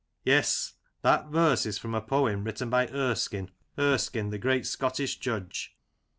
'* Yes, that verse is from a poem written by Erskine, Erskine the great Scottish judge.